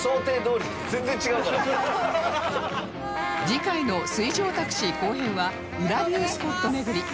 次回の水上タクシー後編は裏ビュースポット巡り